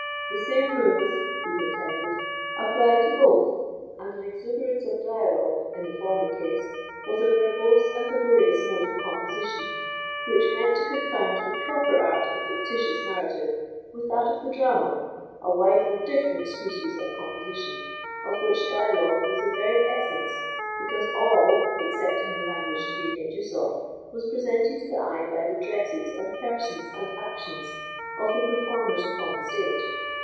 The same rules," he contended, "applied to both, and an exuberance of dialogue, in the former case, was a verbose and laborious mode of composition which went to confound the proper art of fictitious narrative with that of the drama, a widely different species of composition, of which dialogue was the very essence, because all, excepting the language to be made use of, was presented to the eye by the dresses, and persons, and actions of the performers upon the stage.